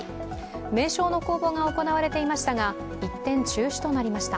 名称の公募が行われていましたが、一転中止となりました。